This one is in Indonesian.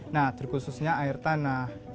nah terkhususnya air tanah